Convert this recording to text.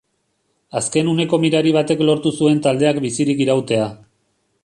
Azken uneko mirari batek lortu zuen taldeak bizirik irautea.